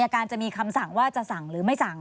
การจะมีคำสั่งว่าจะสั่งหรือไม่สั่ง